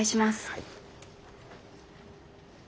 はい。